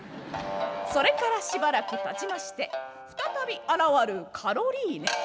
それからしばらくたちまして再び現るカロリーネ。